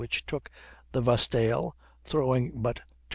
which took the Vestale, throwing but 246.